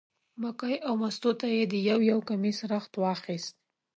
مکۍ او مستو ته یې د یو یو کمیس رخت واخیست.